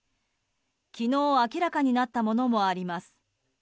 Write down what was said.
昨日、明らかになったものもあります。